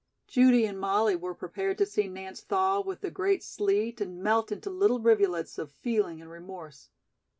Judy and Molly were prepared to see Nance thaw with the great sleet and melt into little rivulets of feeling and remorse.